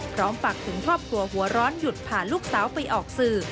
พร้อมฝากถึงครอบครัวหัวร้อนหยุดพาลูกสาวไปออกสื่อ